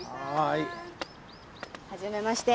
はじめまして。